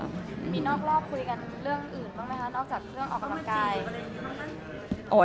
มีนอกรอบคุยกันเรื่องอื่นบ้างไหมคะนอกจากเรื่องออกกำลังกาย